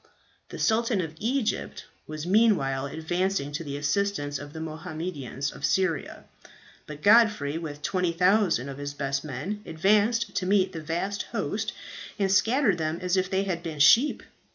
"The Sultan of Egypt was meanwhile advancing to the assistance of the Mohammedans of Syria; but Godfrey, with 20,000 of his best men, advanced to meet the vast host, and scattered them as if they had been sheep.